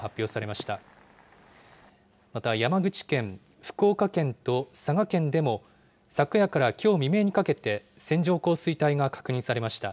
また山口県、福岡県と佐賀県でも、昨夜からきょう未明にかけて線状降水帯が確認されました。